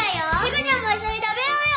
彦ちゃんも一緒に食べようよ！